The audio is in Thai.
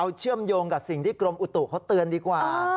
เชื่อมโยงกับสิ่งที่กรมอุตุเขาเตือนดีกว่า